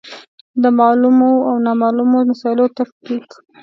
د معلومو او نامعلومو مسایلو تفکیک.